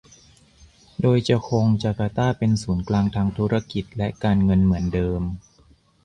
โดยจะคงจาการ์ตาเป็นศูนย์กลางทางธุรกิจและการเงินเหมือนเดิม